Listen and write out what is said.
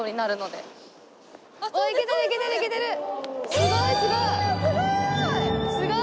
すごいすごい！